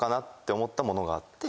思ったものがあって。